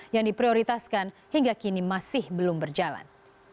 yang diprioritaskan hingga kini masih belum berjalan